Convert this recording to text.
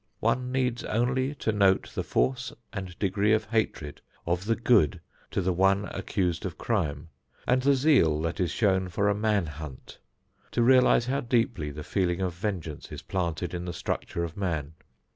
One needs only to note the force and degree of hatred of the good to the one accused of crime, and the zeal that is shown for a man hunt, to realize how deeply the feeling of vengeance is planted in the structure of man.